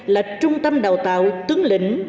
là trung tâm đào tạo tướng lệnh